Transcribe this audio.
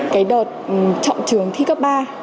cái đợt chọn trường thi cấp ba